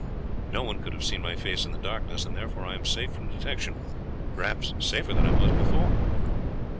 No one could have seen my face in the darkness, and therefore I am safe from detection, perhaps safer than I was before."